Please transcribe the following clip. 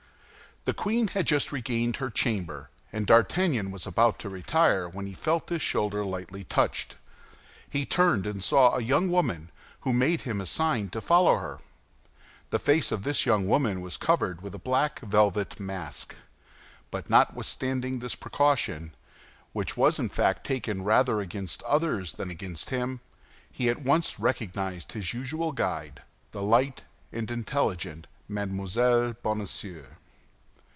The queen had just regained her chamber, and D'Artagnan was about to retire, when he felt his shoulder lightly touched. He turned and saw a young woman, who made him a sign to follow her. The face of this young woman was covered with a black velvet mask; but notwithstanding this precaution, which was in fact taken rather against others than against him, he at once recognized his usual guide, the light and intelligent Mme. Bonacieux.